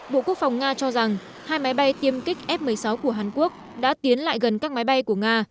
bộ quốc phòng nga cho rằng hai máy bay tiêm kích f một mươi sáu của hàn quốc đã tiến lại gần các máy bay của nga